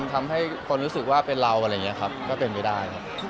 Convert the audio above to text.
ทำให้คนรู้สึกว่าเป็นเรา